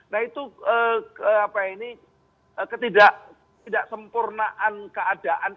nah itu ketidaksempurnaan keadaan